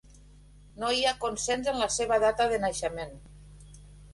No hi ha consens en la seva data de naixement.